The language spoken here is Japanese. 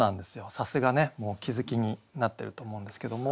さすがもうお気付きになってると思うんですけども。